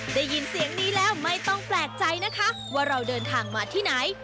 ได้ยินเสียงนี้แล้วไม่ต้องแปลกใจนะคะว่าเราเดินทางมาที่ไหน